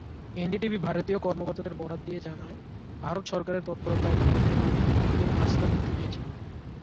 NDTV ভারতীয় কর্মকর্তাদের বরাত দিয়ে জানায়, ভারত সরকারের তৎপরতায় ভারতীয় নার্সরা মুক্তি পেয়েছেন।